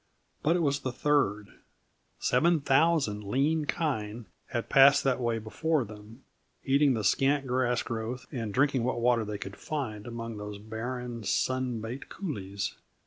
But it was the third. Seven thousand lean kine had passed that way before them, eating the scant grass growth and drinking what water they could find among those barren, sun baked coulees.